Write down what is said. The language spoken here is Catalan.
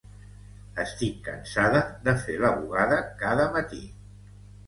Estic cansada de fer la bugada cada matí.